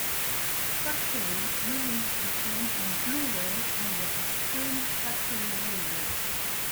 Factory released the film on Blu-ray under their Scream Factory label.